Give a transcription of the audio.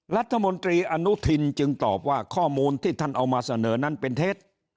รัฐมนตรีอนุทินจึงตอบว่าข้อมูลที่ท่านเอามาเสนอนั้นเป็นเท็จ